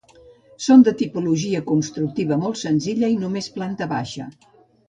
Són de tipologia constructiva molt senzilla i només planta baixa.